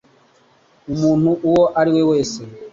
umuntu uwo ari we wese,